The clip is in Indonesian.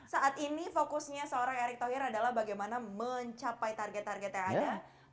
saat ini fokusnya seorang erick thohir adalah bagaimana mencapai target target yang ada